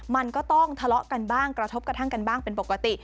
มันก็ต้องทะเลาะกันบ้างกระทบกระทั่งกันบ้างเป็นปกติ